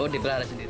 oh dibeliara sendiri